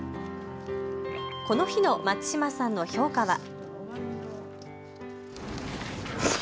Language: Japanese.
この日の松嶋さんの評価は。